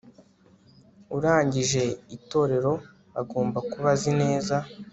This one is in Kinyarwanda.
urangije itorero agomba kuba azi neza